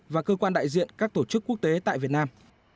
và cơ quan đại diện các tổ chức quốc tế tại việt nam